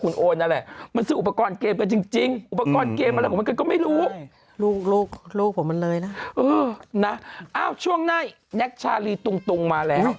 เรื่องปกติตอนนี้เป็นอย่างนี้ไปแล้ว